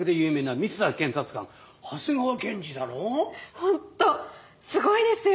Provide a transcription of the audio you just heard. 本当すごいですよ！